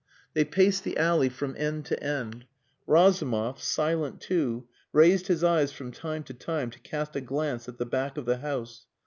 They paced the alley from end to end. Razumov, silent too, raised his eyes from time to time to cast a glance at the back of the house.